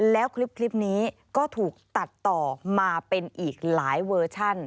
แล้วคลิปนี้ก็ถูกตัดต่อมาเป็นอีกหลายเวอร์ชัน